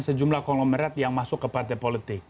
sejumlah konglomerat yang masuk ke partai politik